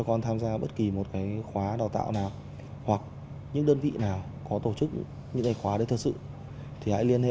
của nhà nước chưa